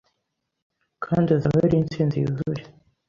kandi izaba ari intsinzi yuzuye